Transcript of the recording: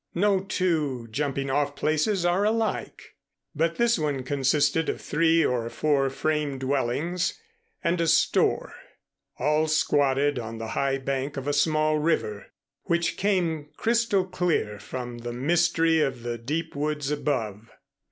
No two "jumping off places" are alike, but this one consisted of three or four frame dwellings and a store, all squatted on the high bank of a small river, which came crystal clear from the mystery of the deep woods above.